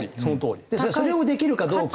それをできるかどうか。